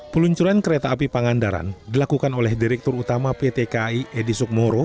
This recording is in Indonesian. peluncuran kereta api pangandaran dilakukan oleh direktur utama pt kai edi sukmoro